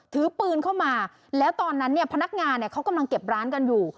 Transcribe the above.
ถือปืนเข้ามาแล้วตอนนั้นเนี่ยพนักงานเขากำลังเก็บร้านกันอยู่